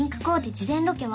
事前ロケは？